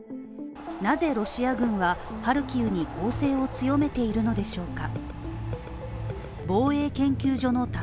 なぜロシア軍はハルキウに攻勢を強めているのでしょうか？